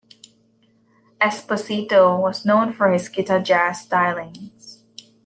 Esposito was known for his guitar jazz stylings.